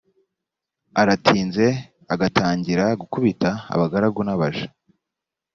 aratinze agatangira gukubita abagaragu n abaja